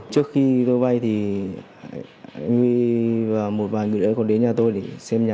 trước khi tôi vay thì anh huy và một vài người đã còn đến nhà tôi để xem nhà